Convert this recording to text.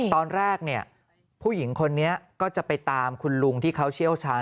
ตอนแรกผู้หญิงคนนี้ก็จะไปตามคุณลุงที่เขาเชี่ยวชาญ